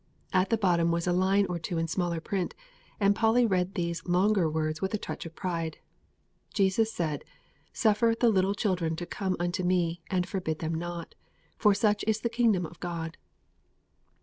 At the bottom was a line or two in smaller print, and Polly read these longer words with a touch of pride: "Jesus said, Suffer the little children to come unto Me, and forbid them not: for of such is the kingdom of God."